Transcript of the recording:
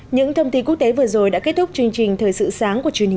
những thông tin quốc tế vừa rồi đã kết thúc chương trình thời sự sáng của truyền hình